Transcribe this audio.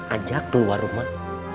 ajak keluar rumah